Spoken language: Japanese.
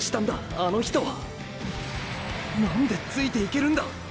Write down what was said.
あの人は何でついていけるんだ。